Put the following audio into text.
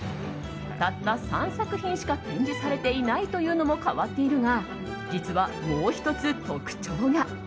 たった３作品しか展示されていないというのも変わっているが実は、もう１つ特徴が。